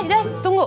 mak emang ke rumah